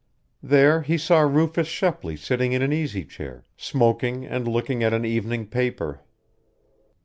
There he saw Rufus Shepley sitting in an easy chair, smoking and looking at an evening paper.